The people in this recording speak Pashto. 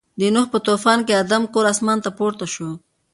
د نوح په طوفان کې د آدم کور اسمانو ته پورته شو.